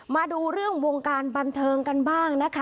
มาดูเรื่องวงการบันเทิงกันบ้างนะคะ